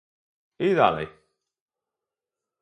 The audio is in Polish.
I dalej